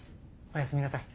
おやすみなさい。